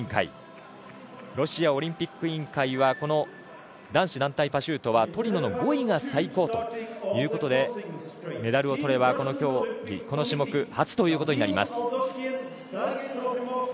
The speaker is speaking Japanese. ロシアオリンピック委員会はこの男子団体パシュートはトリノの５位が最高ということでメダルをとればこの種目初ということになります。